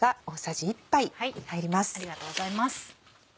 ありがとうございます。